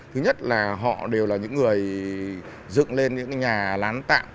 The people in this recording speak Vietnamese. thứ nhất là họ đều là những người dựng lên những nhà lán tạm